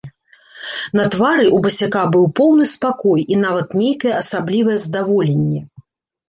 На твары ў басяка быў поўны спакой і нават нейкае асаблівае здаволенне.